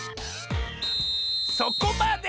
そこまで！